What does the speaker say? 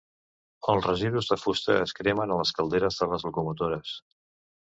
Els residus de fusta es cremen a les calderes de les locomotores.